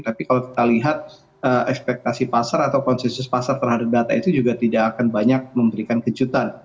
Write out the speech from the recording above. tapi kalau kita lihat ekspektasi pasar atau konsensus pasar terhadap data itu juga tidak akan banyak memberikan kejutan